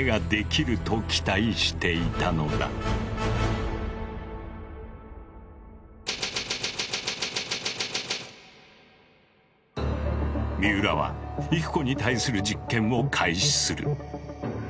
京都帝大は三浦は郁子に対する実験を開始する。